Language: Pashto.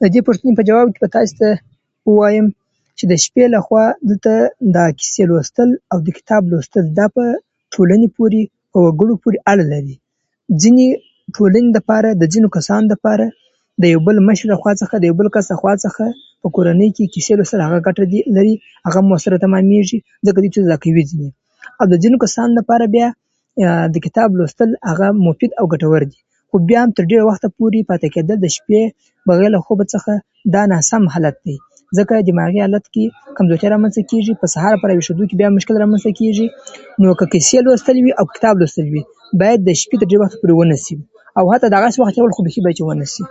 د دې پوښتنې په ځواب کې به تاسو ته ووایم چې د شپې لخوا دا کیسې لوستل او د کتاب لوستل، دا په ټولنه پورې، وګړو پورې اړه لري. ځینې ټولنې لپاره، ځینو کسانو لپاره، د خپل مشر لخوا څخه، د بل کس خوا څخه په کورنۍ کې کیسې هغه [unintelligible] ورسره تمامېږي، او د ځینو کسانو لپاره بیا د کتاب لوستل هغه مفید او ګټور دي. خو بیا هم تر ډېره وخته پورې پاتې کېدل، د شپې بغیر له خوبه څخه، دا ناسم حالت دی، ځکه دماغي حالت کې کمزوري رامنځته کېږي. په سهار راویښېدو کې بیا مشکل رامنځته کېږي. نو که کیسې لوستل وي او که کتاب لوستل وي، باید د شپې تر ډېر وخته پورې ونه شي، او حتی دغسې وخت تېرول خو بېخي باید ونه شي.